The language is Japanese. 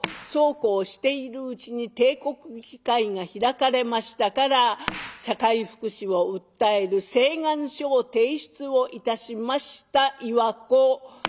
そうこうしているうちに帝国議会が開かれましたから社会福祉を訴える請願書を提出をいたしました岩子。